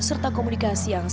dan juga mengingatkan bahwa